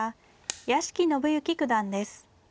屋敷伸之九段です。